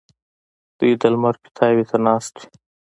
دوی د لمر پیتاوي ته ناست وي.